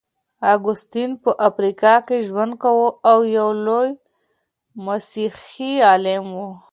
اګوستين په افریقا کي ژوند کاوه او يو لوی مسيحي عالم و.